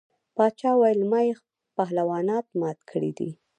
باچا ویل ما یې پهلوانان مات کړي دي.